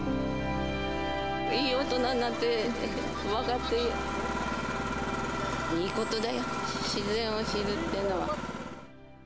いい大人になって、分かって、いいことだよ、自然を知るってのは。